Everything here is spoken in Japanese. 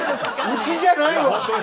うちじゃないわ。